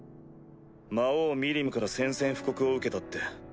魔王ミリムから宣戦布告を受けたって。